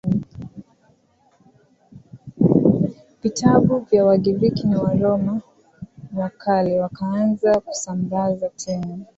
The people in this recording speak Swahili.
vitabu vya Wagiriki na Waroma wa kale Wakaanza kusambaza tena